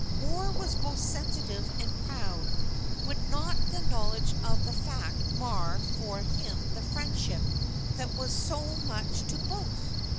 Moor was both sensitive and proud, would not the knowledge of the fact mar for him the friendship that was so much to both?